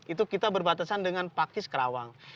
itu kita berbatasan dengan pakis kerawang